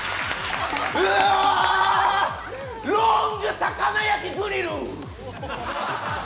ロング魚焼きグリル！